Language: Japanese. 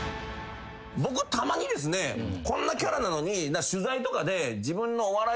僕たまにですねこんなキャラなのに取材とかで。